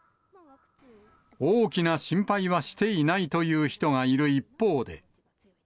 大きな心配はしていないという人がいる一方で。